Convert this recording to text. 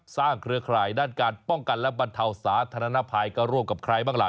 เครือข่ายด้านการป้องกันและบรรเทาสาธารณภัยก็ร่วมกับใครบ้างล่ะ